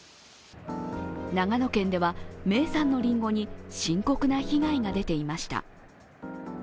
長野県では、名産のりんごに深刻な被害が出ていました。